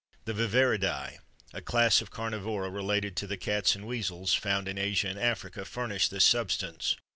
The Viverridæ, a class of carnivora related to the cats and weasels, found in Asia and Africa, furnish this substance.